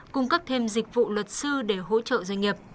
cung cấp thêm dịch vụ luật sư để hỗ trợ doanh nghiệp